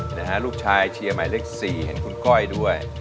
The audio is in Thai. นะฮะลูกชายเชียร์หมายเลข๔เห็นคุณก้อยด้วย